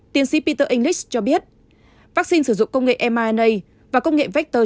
tiến sĩ peter english cho biết vaccine sử dụng công nghệ myna và công nghệ vector